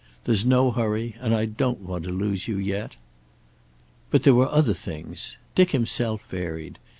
There's no hurry. And I don't want to lose you yet." But there were other things. Dick himself varied.